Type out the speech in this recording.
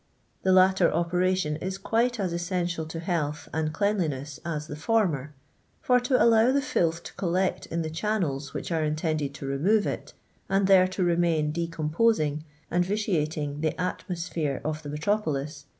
Tlie latter operation is quite as essential to health I and cleanliness as the fonner ; for to allow the j tilth to collect in the channels which are intended ', I to remove it, and there to remain decomposing and vitiating the atmosphere of the metropolis